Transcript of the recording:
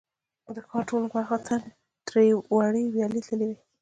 د ښار ټولو برخو ته ترې وړې ویالې تللې وې.